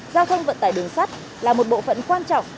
giao thông vận tải đường sắt là một bộ phận quan trọng